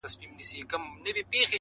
زه له فطرته عاشقي کوومه ښه کوومه,